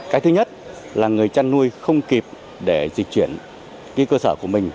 cái thứ nhất là người chăn nuôi không kịp để dịch chuyển cơ sở của mình